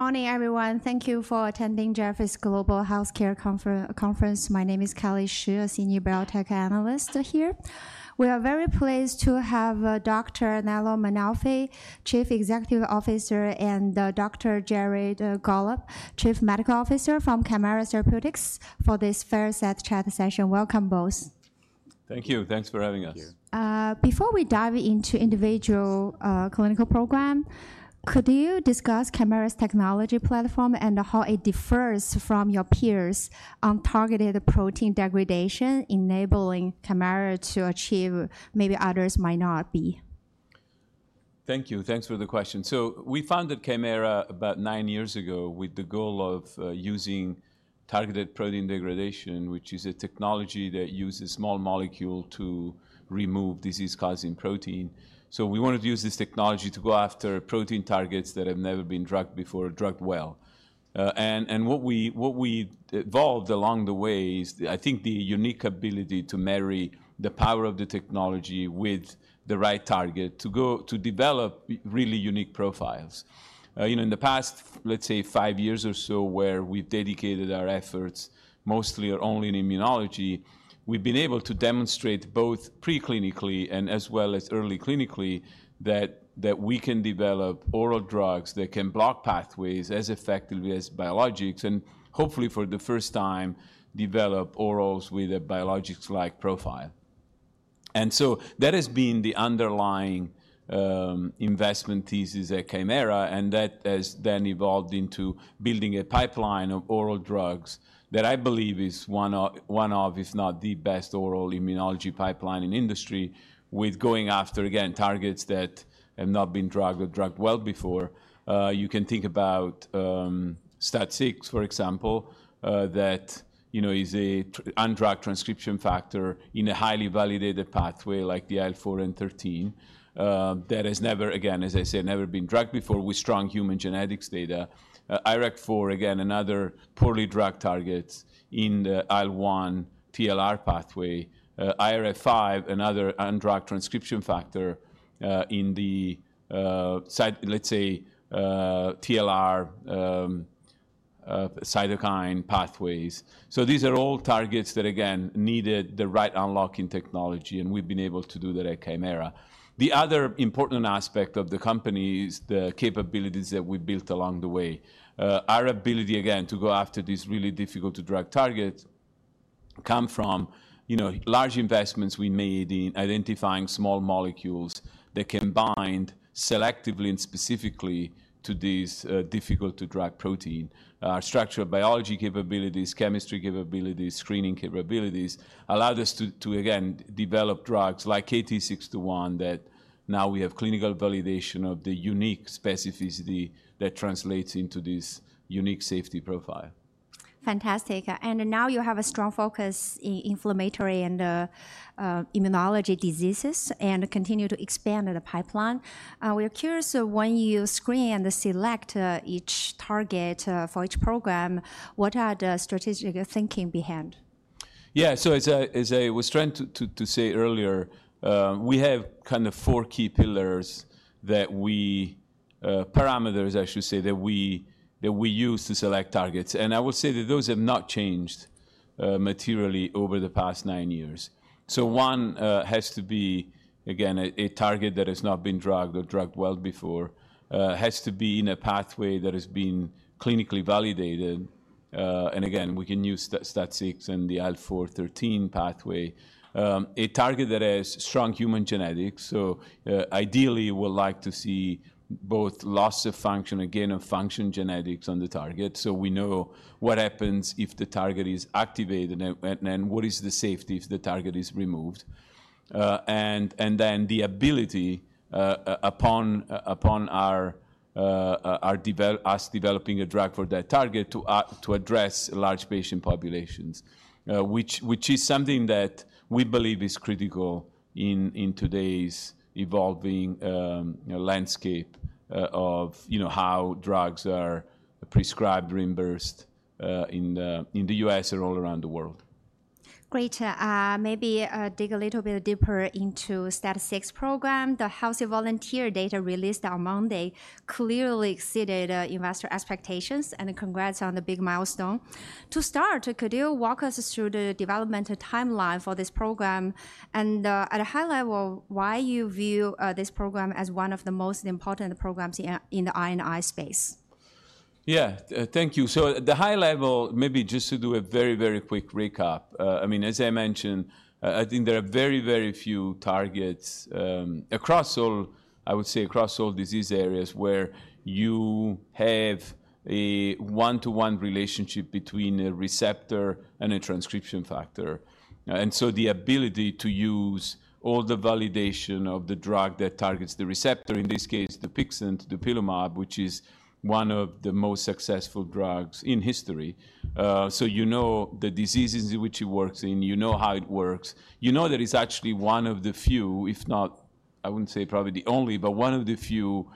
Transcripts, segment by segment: Morning everyone. Thank you for attending Jefferies Global Healthcare Conference. My name is Kelly Shi, a Senior Biotech Analyst here. We are very pleased to have Dr. Nello Mainolfi, Chief Executive Officer, and Dr. Jared Gollob, Chief Medical Officer from Kymera Therapeutics for this fireside chat session. Welcome both. Thank you. Thanks for having us. Before we dive into individual clinical program, could you discuss Kymera's technology platform and how it differ from your peers on targeted protein degradation enabling Kymera to achieve maybe others might not be. Thank you. Thanks for the question. We founded Kymera about nine years ago with the goal of using targeted protein degradation, which is a technology that uses small molecules to remove disease-causing protein. We wanted to use this technology to go after protein targets that have never been drugged before. Drugged well. What we evolved along the way is, I think, the unique ability to marry the power of the technology with the right target to develop really unique profiles. You know, in the past, let's say five years or so where we've dedicated our efforts mostly or only in immunology, we've been able to demonstrate both preclinically and as well as early clinically that we can develop oral drugs that can block pathways as effectively as biologics and hopefully for the first time develop orals with a biologics-like profile. That has been the underlying investment thesis at Kymera and that has then evolved into building a pipeline of oral drugs that I believe is one of, if not the best, oral immunology pipelines in industry, with going after again targets that have not been drugged or drugged well before. You can think about STAT6, for example. That is an undruggable transcription factor in a highly validated pathway like the IL-4/IL-13 that has never, again as I said, never been drugged before, with strong human genetics data. IRAK4, again, another poorly drugged target in the IL-1 TLR pathway. IRF5, another drugged transcription factor in the, let's say, TLR cytokine pathways. These are all targets that again needed the right unlocking technology, and we've been able to do that at Kymera. The other important aspect of the company is the capabilities that we built along the way. Our ability again to go after these really difficult to drug targets comes from large investments we made in identifying small molecules that can bind selectively and specifically to these difficult to drug proteins. Our structural biology capabilities, chemistry capabilities, screening capabilities allowed us to again develop drugs like KT-621 that now we have clinical validation of the unique specificity that translates into this unique safety profile. Fantastic. You have a strong focus in inflammatory and immunology diseases and continue to expand the pipeline. We are curious, when you screen and select each target for each program, what are the strategic thinking behind? Yeah, so as I was trying to say earlier, we have kind of four key pillars that we, parameters I should say, that we use to select targets and I will say that those have not changed materially over the past nine years. One has to be, again, a target that has not been drugged or drugged well before, has to be in a pathway that has been clinically validated. Again, we can use STAT6 and the IL-4/IL-13 pathway, a target that has strong human genetics. Ideally, we would like to see both loss of function, again, of function, genetics on the target. We know what happens if the target is activated and what is the safety if the target is removed and then the ability upon us developing a drug for that target to address large patient populations, which is something that we believe is critical in today's evolving landscape of how drugs are prescribed, reimbursed in the U.S. or all around the world. Great. Maybe dig a little bit deeper into STAT6 program. The healthy volunteer data released on Monday clearly exceeded investor expectations. Congrats on the big milestone to start. Could you walk us through the development timeline for this program and at a highlight level, why you view this program as one of the most important programs in the I&I space? Yeah, thank you. At the high level, maybe just to do a very, very quick recap, I mean as I mentioned, I think there are very, very few targets across all, I would say across all disease areas where you have a one to one relationship between a receptor and a transcription factor. The ability to use all the validation of the drug that targets the receptor, in this case DUPIXENT, dupilumab, which is one of the most successful drugs in history. You know the diseases which it works in, you know how it works, you know that it's actually one of the few, if not, I would not say probably the only, but one of the few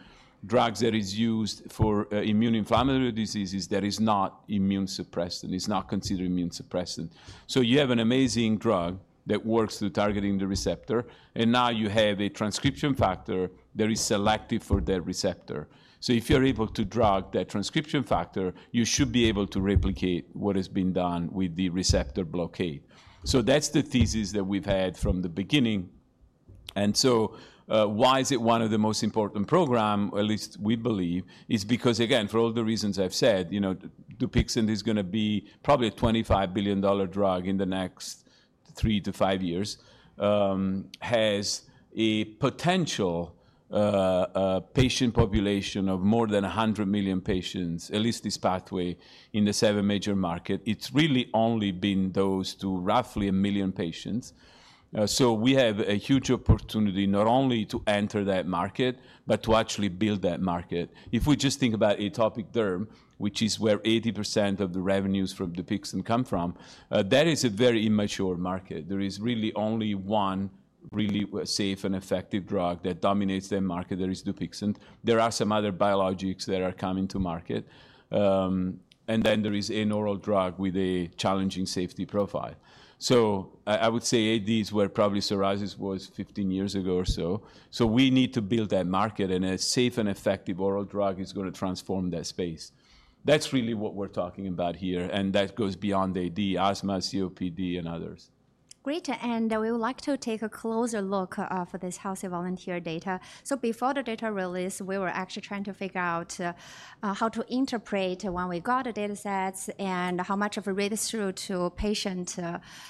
drugs that is used for immuno-inflammatory diseases that is not immune suppressant, it's not considered immune suppressant. You have an amazing drug that works through targeting the receptor and now you have a transcription factor that is selective for that receptor. If you're able to drug that transcription factor, you should be able to replicate what has been done with the receptor blockade. That's the thesis that we've had from the beginning. Why is it one of the most important program, at least we believe, is because again, for all the reasons I've said, you know, DUPIXENT is going to be probably a $25 billion drug in the next 3-5 years, has a potential patient population of more than 100 million patients. At least this pathway in the seven major market, it's really only been those to roughly a million patients. We have a huge opportunity not only to enter that market, but to actually build that market. If we just think about atopic derm, which is where 80% of the revenues from DUPIXENT come from, that is a very immature market. There is really only one really safe and effective drug that dominates the market. There is DUPIXENT, there are some other biologics that are coming to market and then there is an oral drug with a challenging safety profile. I would say AD is where probably psoriasis was 15 years ago or so. We need to build that market and a safe and effective oral drug is going to transform that space. That's really what we're talking about here. That goes beyond AD, asthma, COPD and others. Great. We would like to take a closer look for this healthy volunteer data. Before the data release we were actually trying to figure out how to interpret when we got a data set and how much of a read through to patient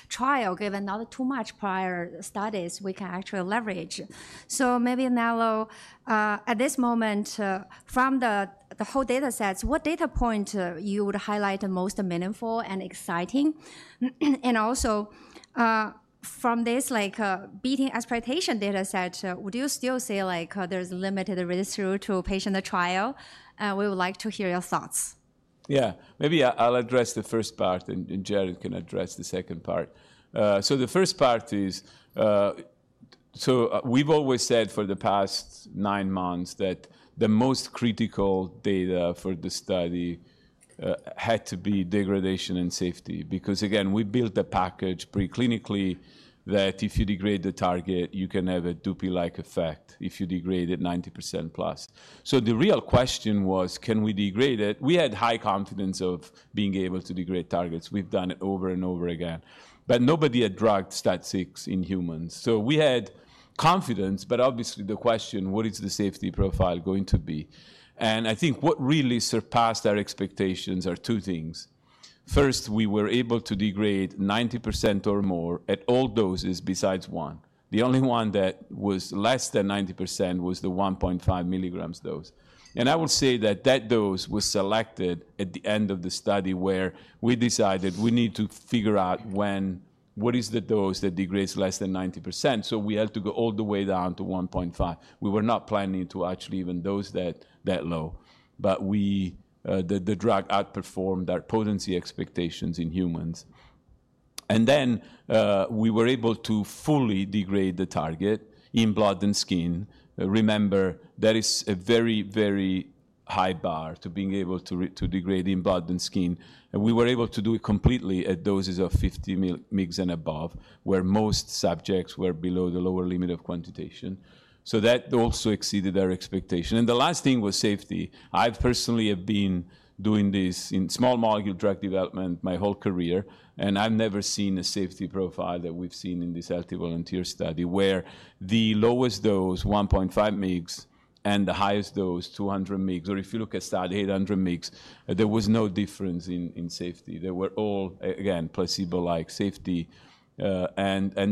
trial given not too much prior studies we can actually leverage. Maybe Nello, at this moment from the whole data sets, what data point would you highlight the most meaningful and exciting? Also, from this beating exploitation data set, would you still say there's limited resource to patient trial? We would like to hear your thoughts. Yeah, maybe I'll address the first part and Jared can address the second part. The first part is we've always said for the past nine months that the most critical data for the study had to be degradation and safety. Because again, we built the package preclinically that if you degrade the target, you can have a dupi-like effect. If you degrade it 90%+ the real question was can we degrade it? We had high confidence of being able to degrade targets. We've done it over and over again. Nobody had drugged STAT6 in humans. We had confidence, but obviously the question what is the safety profile going to be? I think what really surpassed our expectations are two things. First, we were able to degrade 90% or more at all doses. Besides one, the only one that was less than 90% was the 1.5 mg dose. I would say that that dose was selected at the end of the study where we decided we need to figure out when what is the dose that degrades less than 90%. We had to go all the way down to 1.5. We were not planning to actually even dose that low, but the drug outperformed our potency expectations in humans. We were able to fully degrade the target in blood and skin. Remember, that is a very, very high bar to being able to degrade in blood and skin. We were able to do it completely at doses of 50 mg and above, where most subjects were below the lower limit of quantitation. That also exceeded our expectation. The last thing was safety. I personally have been doing this in small molecule drug development my whole career and I've never seen a safety profile that we've seen in this healthy volunteer study where the lowest dose 1.5 mg and the highest dose 200 mg or if you look at study 800 mg, there was no difference in safety. They were all again, placebo-like safety. That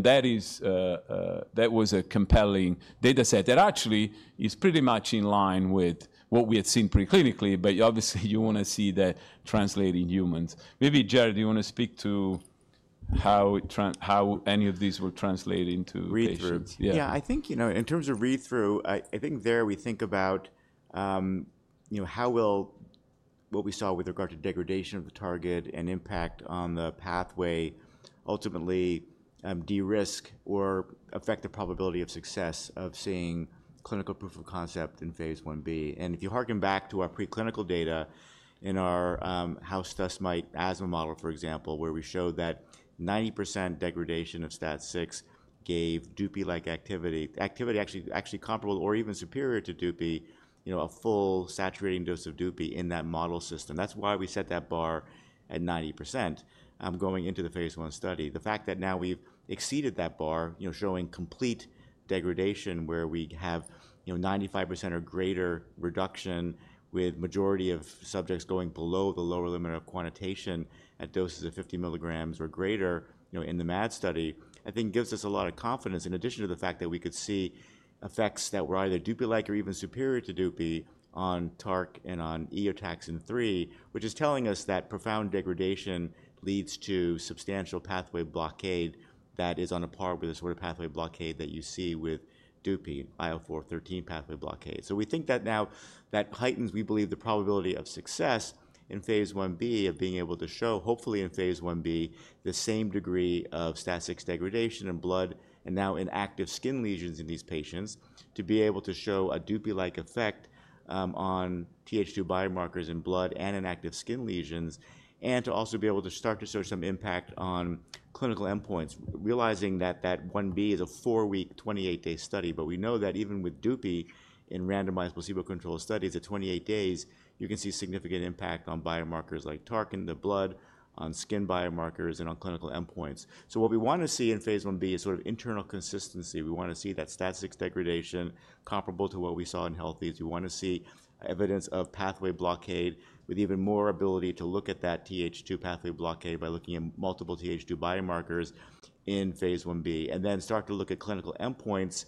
was a compelling data set that actually is pretty much in line with what we had seen preclinically. Obviously you want to see that translating in humans, maybe. Jared, do you want to speak to how any of these will translate into read through? Yeah, I think in terms of read through, I think there we think about how will what we saw with regard to degradation of the target and impact on the pathway ultimately de-risk or affect the probability of success of seeing clinical proof of concept in phase I-B. And if you hearken back to our preclinical data in our house dust mite asthma model, for example, where we showed that 90% degradation of STAT6 gave dupi-like activity, activity actually comparable or even superior to dupi, you know, a full saturating dose of dupi in that model system. That's why we set that bar at 90% going into the phase one study. The fact that now we've exceeded that bar, showing complete degradation, where we have 95% or greater reduction with majority of subjects going below the lower limit of quantification at doses of 50 mg or greater in the MADs study, I think gives us a lot of confidence. In addition to the fact that we could see effects that were either dupi-like or even superior to dupi on TARC and on Eotaxin-3, which is telling us that profound degradation leads to substantial pathway blockade that is on a par with the sort of pathway blockade that you see with dupi IL-4/IL-13 pathway blockade. We think that now that heightens, we believe, the probability of success in phase I-B of being able to show hopefully in phase I-B the same degree of STAT6 degradation in blood and now inactive skin lesions in these patients to be able to show a dupi-like effect on Th2 biomarkers in blood and in active skin lesions and to also be able to start to show some impact on clinical endpoints, realizing that that I-B is a four-week 28-day study. We know that even with dupi in randomized placebo controlled studies at 28 days you can see significant impact on biomarkers like TARC in the blood, on skin biomarkers and on clinical endpoints. What we want to see in phase I-B is sort of internal consistency. We want to see that STAT6 degradation comparable to what we saw in healthies. We want to see evidence of pathway blockade with even more ability to look at that Th2 pathway blockade by looking at multiple Th2 biomarkers in phase I-B and then start to look at clinical endpoints.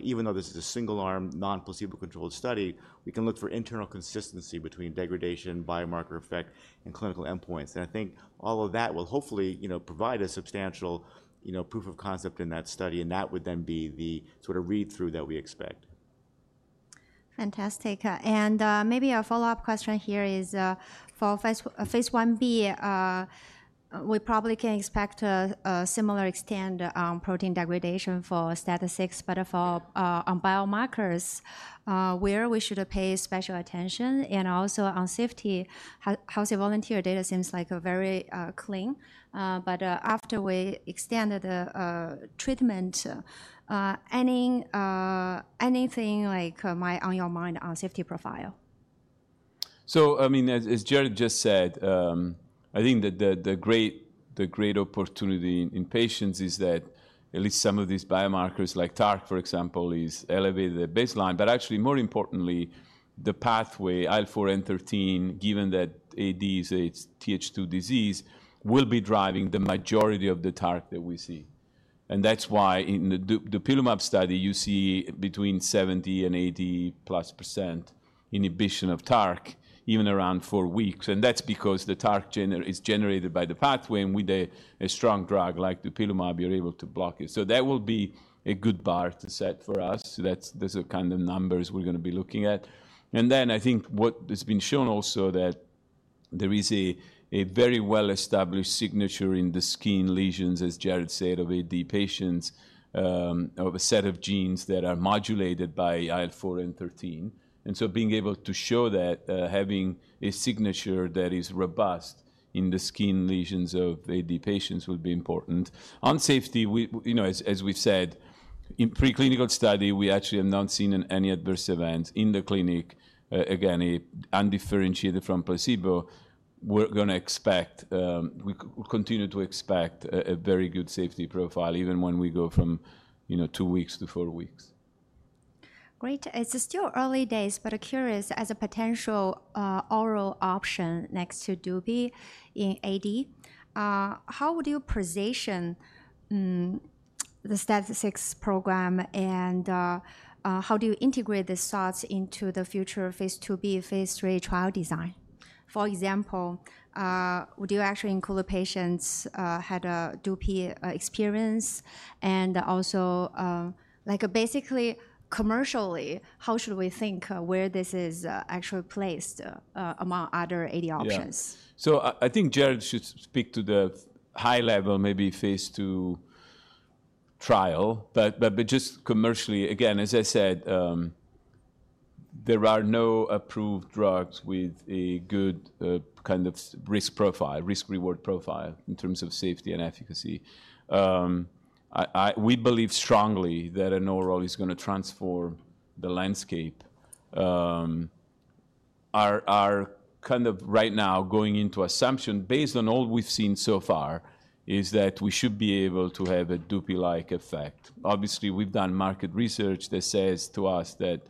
Even though this is a single arm non placebo controlled study, we can look for internal consistency between degradation, biomarker effect and clinical endpoints. I think all of that will hopefully provide a substantial proof of concept in that study. That would then be the sort of read through that we expect. Fantastic. Maybe a follow up question here is for phase I-B, we probably can expect a similar extent on protein degradation for STAT6, but for biomarkers where we should pay special attention and also on safety, healthy volunteer data seems like very clean. After we extended the treatment, anything on your mind on safety profile? As Jared just said, I think that the great opportunity in patients is that at least some of these biomarkers, like TARC for example, is elevated at baseline. Actually, more importantly, the pathway IL-4/IL-13, given that AD is a Th2 disease, will be driving the majority of the TARC that we see. That is why in the dupilumab study you see between 70% and 80% inhibition of TARC even around four weeks. That is because the TARC is generated by the pathway and with a strong drug like dupilumab you are able to block it. That will be a good bar to set for us. Those are kind of numbers we are going to be looking at. I think what has been shown also is that there is a very well established signature in the skin lesions, as Jared said, of AD patients, of a set of genes that are modulated by IL-4 and IL-13. Being able to show that having a signature that is robust in the skin lesions of AD patients will be important on safety. As we've said, in preclinical study, we actually have not seen any adverse events in the clinic, again undifferentiated from placebo. We continue to expect a very good safety profile even when we go from two weeks to four weeks. Great. It's still early days. But curious as a potential oral option next to dupi in AD, how would you position the STAT6 program and how do you integrate the thoughts into the future phase II-B, phase III trial design? For example, would you actually include patients who had a dupi experience and also like basically commercially how should we think where this is actually placed among other AD options? I think Jared should speak to the high level, maybe phase two trial, but just commercially. Again, as I said, there are no approved drugs with a good kind of risk profile, risk reward profile in terms of safety and efficacy. We believe strongly that an oral is going to transform the landscape. Our kind of right now going into assumption based on all we've seen so far is that we should be able to have a dupi-like effect. Obviously, we've done market research that says to us that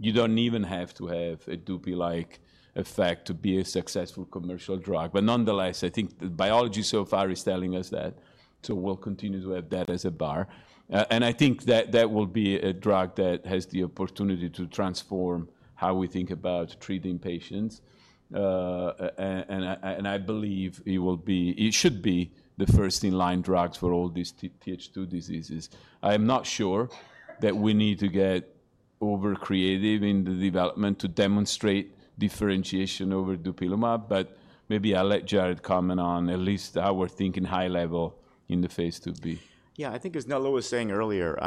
you do not even have to have a dupi-like effect to be a successful commercial drug. Nonetheless, I think biology so far is telling us that, so we will continue to have that as a bar, and I think that that will be a drug that has the opportunity to transform how we think about treating patients. I believe it will be, it should be the first in line drugs for all these Th2 diseases. I am not sure that we need to get over creative in the development to demonstrate differentiation over dupilumab, but maybe I'll let Jared comment on at least our thinking high level in the phase II-B. Yeah, I think as Nello was saying earlier,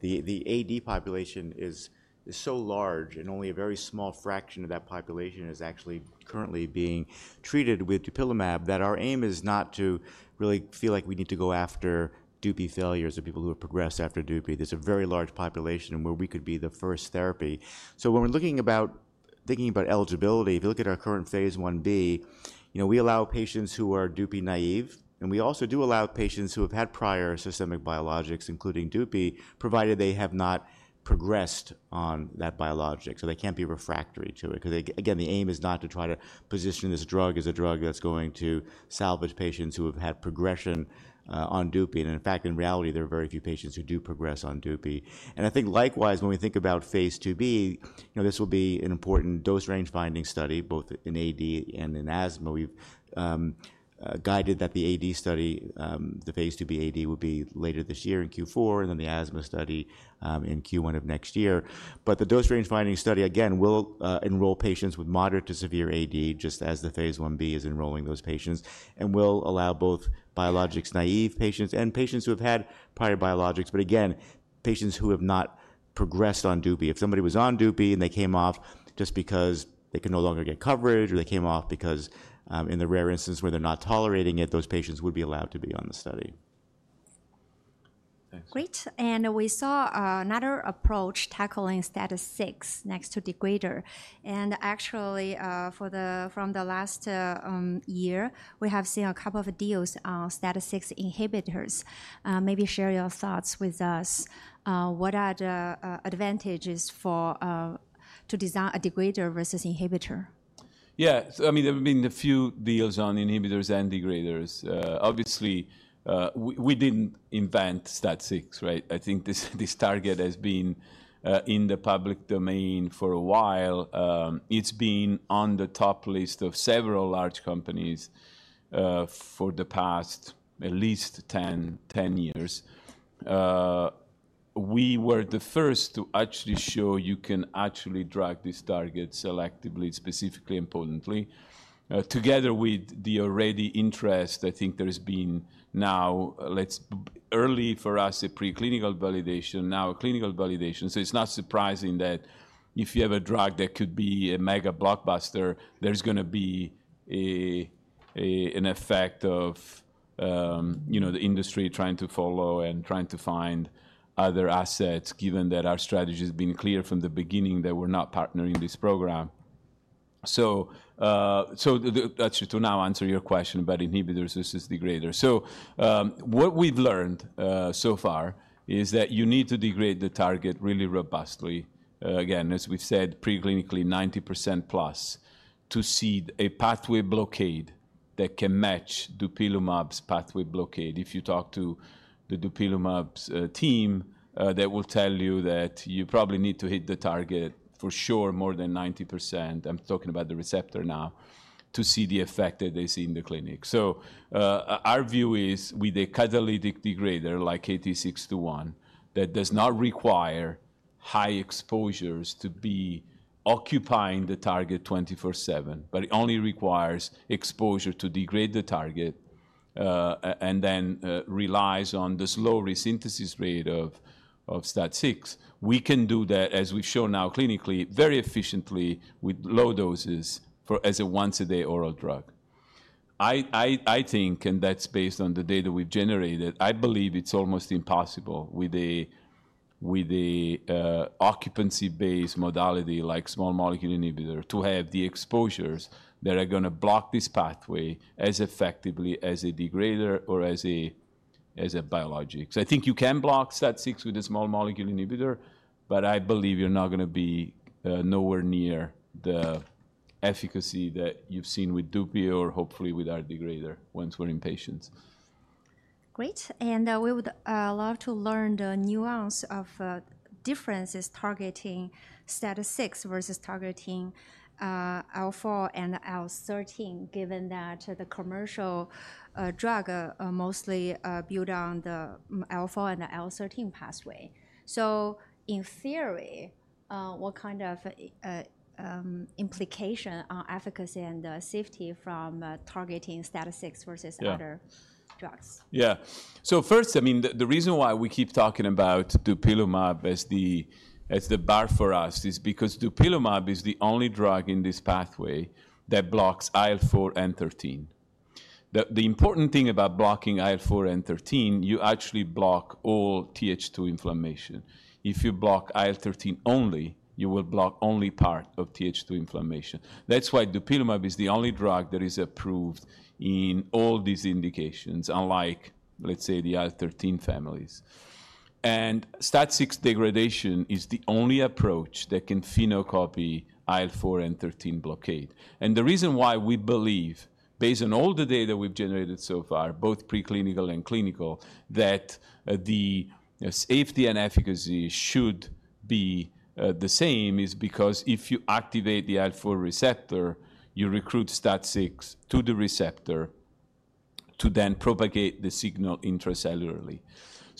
the AD population is so large and only a very small fraction of that population is actually currently being treated with dupilumab. That our aim is not to really feel like we need to go after dupi failures of people who have progressed after dupi. There is a very large population where we could be the first therapy. When we are looking about thinking about eligibility, if you look at our current phase I-B, you know we allow patients who are dupi naive and we also do allow patients who have had prior systemic biologics including dupi, provided they have not progressed on that biologic. They cannot be refractory to it. Because again, the aim is not to try to position this drug as a drug that is going to salvage patients who have had progression on dupi. In fact, in reality there are very few patients who do progress on dupi. I think likewise when we think about phase II-B, this will be an important dose range finding study both in AD and in asthma. We've guided that the AD study, the phase II-B AD will be later this year in Q4 and then the asthma study in Q1 of next year. The dose range finding study again will enroll patients with moderate to severe AD just as the phase I-B is enrolling those patients and will allow both biologics-naive patients and patients who have had prior biologics. Again, patients who have not progressed on dupi. If somebody was on dupi and they came off just because they could no longer get coverage or they came off because in the rare instance where they're not tolerating it, those patients would be allowed to be on the study. Thanks. Great. We saw another approach tackling STAT6 next to degrader. Actually, from last year we have seen a couple of deals on STAT6 inhibitors. Maybe share your thoughts with us. What are the advantages to design a degrader versus inhibitor? Yeah, I mean there have been a few deals on inhibitors and degraders. Obviously we did not invent STAT6. Right. I think this target has been in the public domain for a while. It has been on the top list of several large companies for the past at least 10 years. We were the first to actually show you can actually drug this target selectively. Specifically, importantly, together with the already interest, I think there has been now, let us say, early for us a preclinical validation, now clinical validation. It is not surprising that if you have a drug that could be a mega blockbuster, there is going to be an effect of the industry trying to follow and trying to find other assets. Given that our strategy has been clear from the beginning that we are not partnering this program, to now answer your question about inhibitors versus degraders. What we've learned so far is that you need to degrade the target really robustly, again as we've said preclinically, 90%+, to see a pathway blockade that can match dupilumab's pathway blockade. If you talk to the dupilumab's team, they will tell you that you probably need to hit the target for sure, more than 90%. I'm talking about the receptor now to see the effect that they see in the clinic. Our view is with a catalytic degrader like KT-621 that does not require high exposures to be occupying the target 24/7, but it only requires exposure to degrade the target and then relies on the slow resynthesis rate of STAT6. We can do that as we show now clinically, very efficiently with low doses as a once a day oral drug, I think, and that's based on the data we've generated. I believe it's almost impossible with the occupancy based modality like small molecule inhibitor to have the exposures that are going to block this pathway as effectively as a degrader or as a biologic. I think you can block STAT6 with a small molecule inhibitor, but I believe you're not going to be nowhere near the efficacy that you've seen with dupi or hopefully with our degrader once we're in patients. Great. We would love to learn the nuance of differences targeting STAT6 versus targeting IL-4 and IL-13 given that the commercial drug mostly builds on the IL-4 and IL-13 pathway. In theory, what kind of implication on efficacy and safety from targeting STAT6 versus other drugs? Yeah, so first, I mean the reason why we keep talking about dupilumab as the bar for us is because dupilumab is the only drug in this pathway that blocks IL-4/IL-13. The important thing about blocking IL-4/IL-13, you actually block all Th2 inflammation. If you block IL-13 only, you will block only part of Th2 inflammation. That's why dupilumab is the only drug that is approved in all these indications, unlike let's say the IL-13 families, and STAT6 degradation is the only approach that can phenocopy IL-4/IL-13 blockade. The reason why we believe, based on all the data we've generated so far, both preclinical and clinical, that the safety and efficacy should be the same is because if you activate the IL-4 receptor, you recruit STAT6 to the receptor to then propagate the signal intracellularly.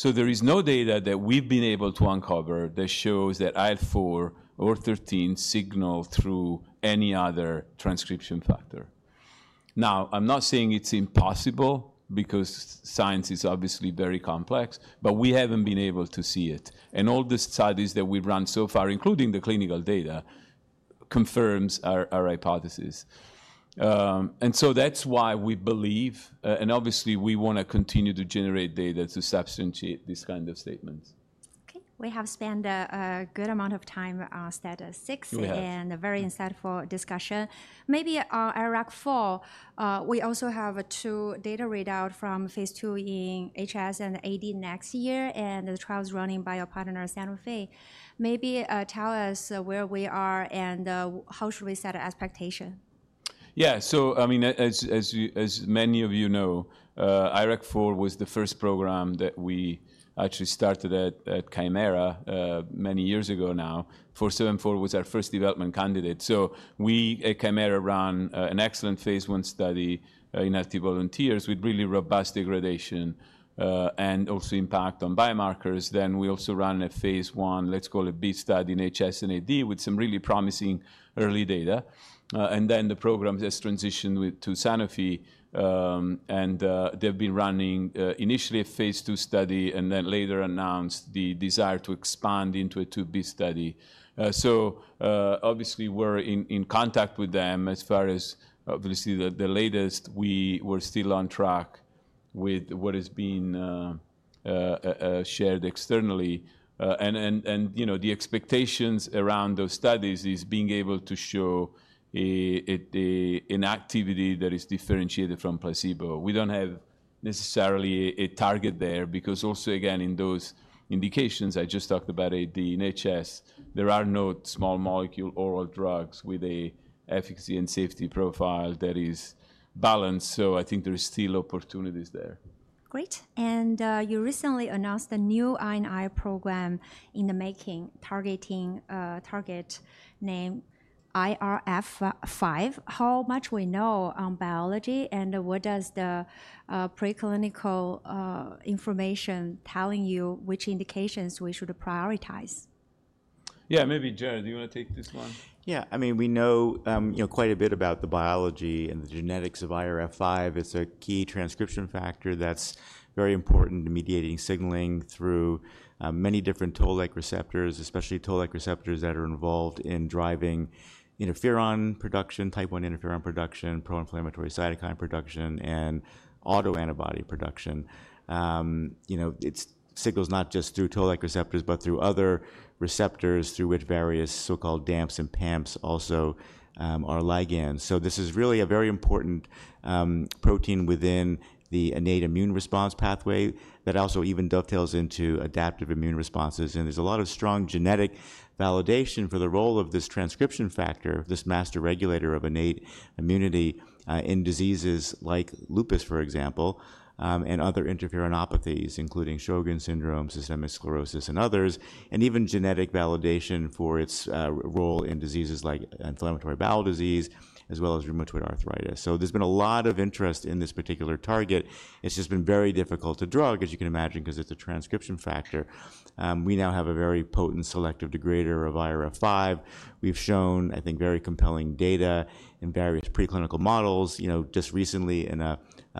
There is no data that we've been able to uncover that shows that IL-4/IL-13 signal through any other transcription factor. Now, I'm not saying it's impossible because science is obviously very complex, but we haven't been able to see it. In all the studies that we've run so far, including the clinical data, it confirms our hypothesis. That's why we believe, and obviously we want to continue to generate data to substantiate these kind of statements. Okay. We have spent a good amount of time on STAT6 and a very insightful discussion maybe at IRAK4. We also have two data readouts from phase II in HS and AD next year and the trials running by our partner Sanofi maybe tell us where we are and how should we set our expectation. Yeah, so I mean as many of you know, IRAK4 was the first program that we actually started at Kymera many years ago now. 474 was our first development candidate. So we at Kymera ran an excellent phase one study in healthy volunteers with really robust degradation and also impact on biomarkers. Then we also ran a phase I, let's call it B study in HS and AD with some really promising early data. The program has transitioned to Sanofi and they've been running initially a phase II study and then later announced the desire to expand into a II-B study. Obviously we're in contact with them. As far as the latest, we are still on track with what is being shared externally and the expectations around those studies is being able to show an activity that is differentiated from placebo. We don't have necessarily a target there because also again in those indications I just talked about, AD and HS, there are no small molecule oral drugs with an efficacy and safety profile that is balanced. I think there are still opportunities there. Great. You recently announced a new I&I program in the making. Target name IRF5. How much do we know on biology and what does the preclinical information tell you which indications we should prioritize? Yeah, maybe. Jared, do you want to take this one? Yeah. I mean we know quite a bit about the biology and the genetics of IRF5. It's a key transcription factor that's very important to mediating signaling through many different Toll-like receptors, especially Toll-like receptors that are involved in driving interferon production, type I interferon production, pro inflammatory cytokine production and autoantibody production. You know, it signals not just through Toll-like receptors, but through other receptors through which various so called DAMPs and PAMPs also are ligands. This is really a very important protein within the innate immune response pathway that also even dovetails into adaptive immune responses. There's a lot of strong genetic validation for the role of this transcription factor, this master regulator of innate immunity in diseases like lupus, for example, and other interferonopathies, including Sjögren's syndrome, systemic sclerosis and others, and even genetic validation for its role in diseases like inflammatory bowel disease as well as rheumatoid arthritis. There's been a lot of interest in this particular target. It's just been very difficult to drug, as you can imagine, because it's a transcription factor. We now have a very potent selective degrader of IRF5. We've shown, I think, very compelling data in various preclinical models just recently in a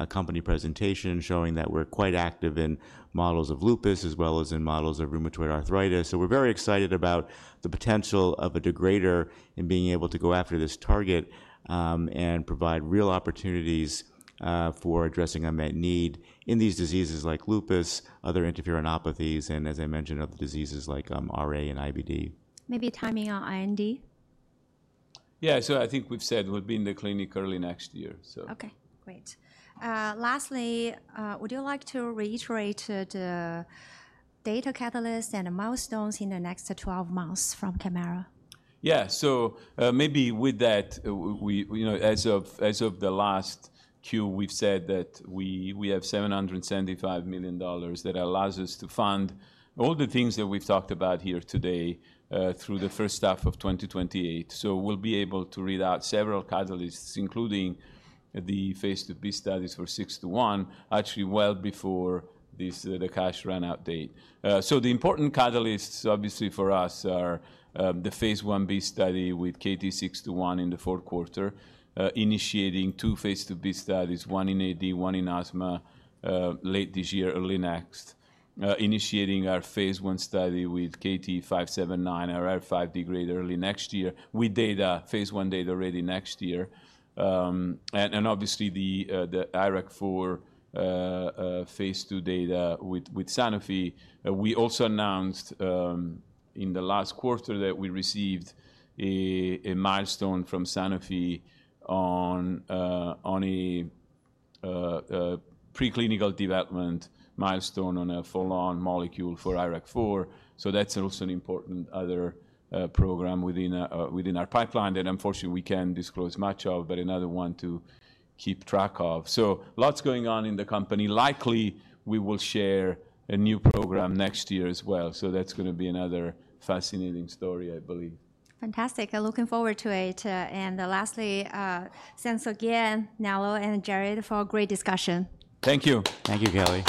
company presentation showing that we're quite active in models of lupus as well as in models of rheumatoid arthritis. We're very excited about the potential of a degrader in being able to go after this target and provide real opportunities for addressing unmet need in these diseases like lupus, other interferonopathies, and as I mentioned, other diseases like RA and IBD. Maybe timing on IND. Yeah, so I think we've said we'll be in the clinic early next year. Okay, great. Lastly, would you like to reiterate the data catalyst and milestones in the next 12 months from Kymera? Yeah. Maybe with that, as of the last Q, we've said that we have $775 million that allows us to fund all the things that we've talked about here today through the first half of 2028. We'll be able to read out several catalysts, including the phase II-B studies for KT-621 actually well before the cash run out date. The important catalysts obviously for us are the phase I-B study with KT-621 in the fourth quarter, initiating two phase of these studies, one in AD, one in asthma late this year, early next, initiating our phase I study with KT-579, IRF5 degrader, early next year with phase I data ready next year, and obviously the IRAK4 phase II data with Sanofi. We also announced in the last quarter that we received a milestone from Sanofi on a preclinical development milestone on a full-on molecule for IRAK4. That's also an important other program within our pipeline that unfortunately we can't disclose much of, but another one to keep track of. Lots going on in the company. Likely we will share a new program next year as well. That's going to be another fascinating story, I believe. Fantastic. I'm looking forward to it. And lastly, thanks again Nello, and Jared for great discussion. Thank you. Thank you, Kelly.